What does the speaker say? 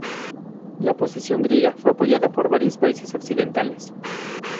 La posición griega fue apoyada por varios países occidentales.